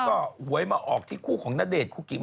แม่สามีแม่ของแม่สาม